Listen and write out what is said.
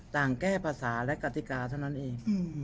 แก้ภาษาและกติกาเท่านั้นเอง